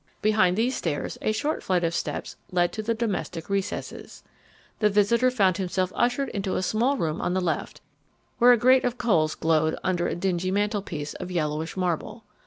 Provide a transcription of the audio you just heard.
Behind these stairs a short flight of steps led to the domestic recesses. The visitor found himself ushered into a small room on the left, where a grate of coals glowed under a dingy mantelpiece of yellowish marble.